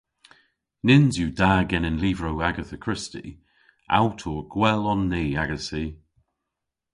Nyns yw da genen lyvrow Agatha Christie. Awtour gwell on ni agessi!